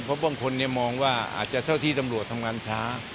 เพราะบางคนมองว่าอาจจะเท่าที่ตำรวจทำงานช้า